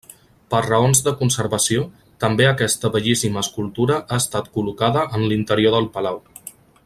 Per raons de conservació, també aquesta bellíssima escultura ha estat col·locada en l'interior del palau.